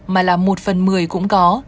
mà là một phần mười cũng có